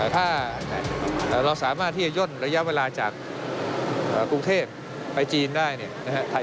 ถ้าเราสามารถที่จะย่นระยะเวลาจากกรุงเทพฯไปจีนได้